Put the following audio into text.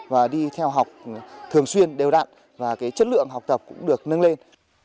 và đi theo học thường xuyên đều đặn và chất lượng học tập cũng được nâng lên